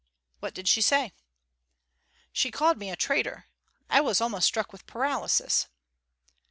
"What did she say?" "She called me a traitor. I was almost struck with paralysis."